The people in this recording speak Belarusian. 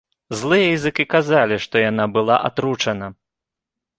Злыя языкі казалі, што яна была атручана.